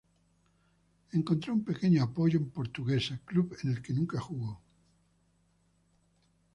Encontró un pequeño apoyo en Portuguesa, club en el que nunca jugó.